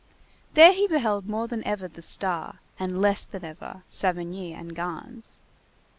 There he beheld more than ever the star, and less than ever Savigny and Gans.